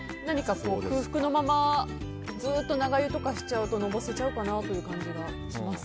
空腹のままずっと長湯とかしちゃうとのぼせちゃうかなという感じがします。